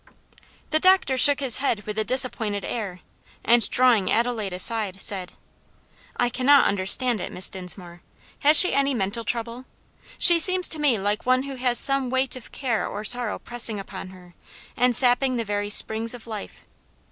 The doctor shook his head with a disappointed air, and drawing Adelaide aside, said, "I cannot understand it, Miss Dinsmore; has she any mental trouble? She seems to me like one who has some weight of care or sorrow pressing upon her, and sapping the very springs of life.